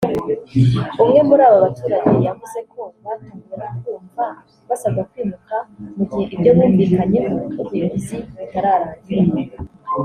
umwe muri aba baturage yavuze ko batunguwe no kumva basabwa kwimuka mu gihe ibyo bumvikanyeho n’ubuyobozi bitararangira